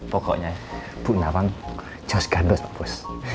pokoknya bu nawang jauh jauh gandos pak bos